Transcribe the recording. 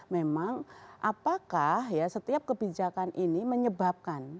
memang apakah ya setiap kebijakan ini menyebabkan